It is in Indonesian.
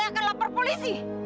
atau saya akan lapor polisi